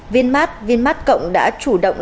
vinmart vinmart cộng đã chủ động